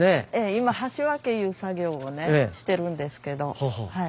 今箸分けいう作業をねしてるんですけどはい。